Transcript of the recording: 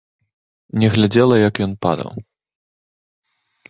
Не глядзела, як ён падаў.